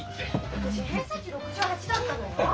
私偏差値６８だったのよ。